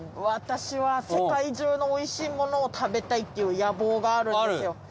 私は世界中のおいしいものを食べたいっていう野望があるんですよ。